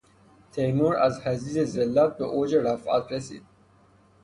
تیمور از حضیض ذلت به اوج رفعت رسید.